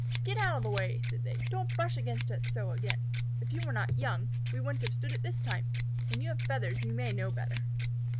"Get out of our way!" said they. "Don't brush against us so again! If you were not young, we wouldn't have stood it this time. When you have feathers you may know better."